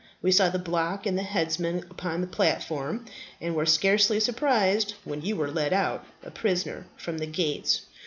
We saw the block and the headsman upon the platform, and were scarcely surprised when you were led out, a prisoner, from the gates.